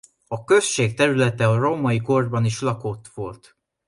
A község területe a római korban is lakott volt.